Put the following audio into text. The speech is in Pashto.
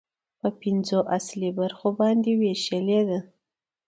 په پنځو اصلي برخو باندې ويشلې ده